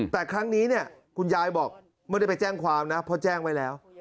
แต่ครั้งนี้เนี่ยคุณยายบอกไม่ได้ไปแจ้งความนะเพราะแจ้งไว้แล้ว